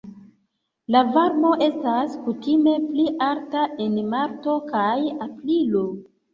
La varmo estas kutime pli alta en marto kaj aprilo.